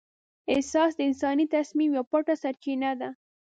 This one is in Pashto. احساس د انساني تصمیم یوه پټه سرچینه ده.